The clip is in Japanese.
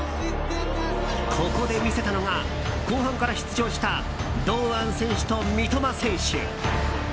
ここで見せたのが後半から出場した堂安選手と三笘選手。